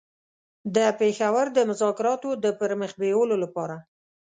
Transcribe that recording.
د پېښور د مذاکراتو د پر مخ بېولو لپاره.